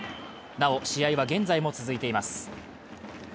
なお、試合は現在も続いています。